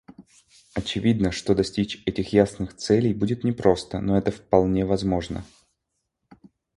Очевидно, что достичь этих ясных целей будет непросто, но это вполне возможно.